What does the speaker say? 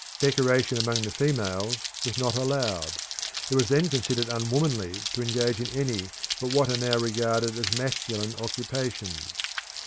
Decoration among the females was not allowed. It was then considered unwomanly to engage in any but what are now regarded as masculine occupations.